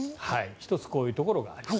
１つこういうところがあります。